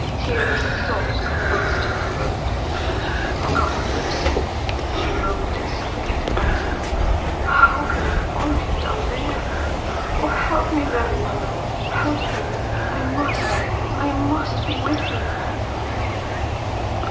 Tearless sobs convulsed her throat, "Oh, God of mercy!" she moaned in suffocated accents "How can I follow him down there! Oh, help me, Mary mother! Help me! I must I must be with him!"